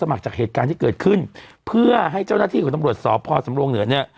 จากเหตุการณ์ที่เกิดขึ้นเพื่อให้เจ้าหน้าที่ของตำรวจสพสำรงเหนือเนี่ย